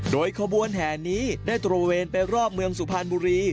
โดยขบวนแห่นี้ได้ตระเวนไปรอบเมืองสุพรรณบุรี